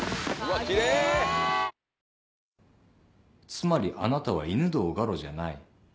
つまりあなたは犬堂ガロじゃない。